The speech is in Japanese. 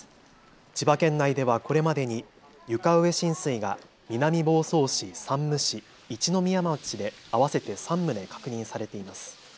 千葉県内ではこれまでに床上浸水が南房総市、山武市、一宮町で合わせて３棟確認されています。